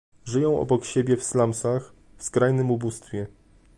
Żyją obok siebie w slumsach, w skrajnym ubóstwie